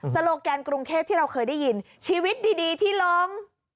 โลแกนกรุงเทพที่เราเคยได้ยินชีวิตดีที่ร้อง